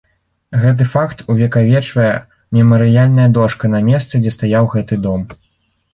Гэты факт увекавечвае мемарыяльная дошка на месцы, дзе стаяў гэты дом.